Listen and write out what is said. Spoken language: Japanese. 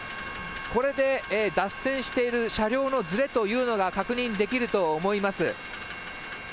これで脱線している車両のずれというのが確認できると思います。